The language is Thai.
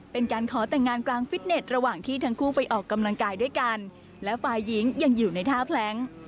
เป็นการขอแต่งงานกลางฟิตเน็ตระหว่างที่ทั้งคู่ไปออกกำลังกายด้วยกันและฝ่ายหญิงยังอยู่ในท่าแพล้ง